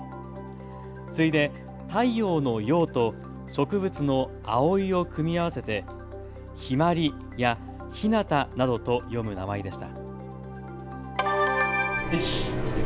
次いで太陽の陽と植物の葵を組み合わせてひまりやひなたなどと読む名前でした。